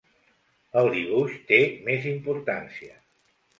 El dibuix té més importància.